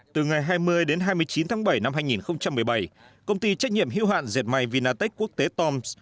từ ngày hai mươi đến hai mươi chín tháng bảy năm hai nghìn một mươi bảy công ty trách nhiệm hữu hạn dệt may vinatech quốc tế toms